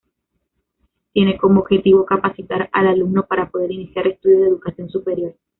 Tiene como objetivo capacitar al alumno para poder iniciar estudios de educación superior.